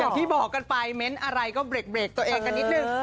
อย่างที่บอกกันไปเม้นต์อะไรก็เบรกตัวเองกันนิดนึง